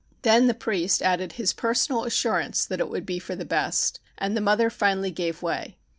Then the priest added his personal assurance that it would be for the best, and the mother finally gave way.